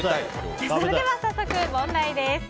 それでは早速問題です。